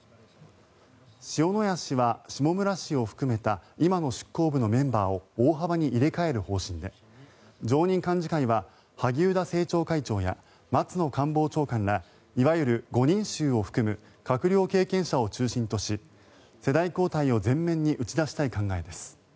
塩谷氏は、下村氏を含めた今の執行部のメンバーを大幅に入れ替える方針で常任幹事会は萩生田政調会長や松野官房長官らいわゆる５人衆を含む閣僚経験者を中心とし世代交代を前面に打ち出したい考えです。